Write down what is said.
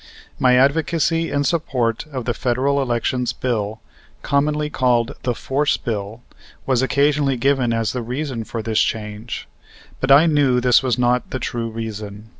My advocacy and support of the Federal Elections Bill, commonly called the "Force Bill," was occasionally given as the reason for this change; but I knew this was not the true reason.